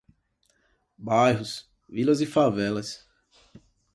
Bairros, vilas e favelas